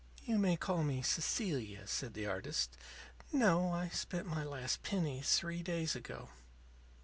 "You may call me Cecilia," said the artist. "No; I spent my last penny three days ago."